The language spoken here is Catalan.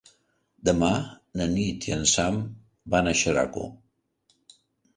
Demà na Nit i en Sam van a Xeraco.